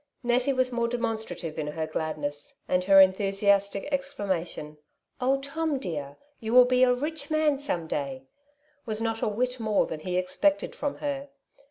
Nettie was more demonstrative in her gladness ; and her enthusiastic exclamation, ^'Oh, Tom dear, you will be a rich man some day !'^ was not a whit more than he expected from her.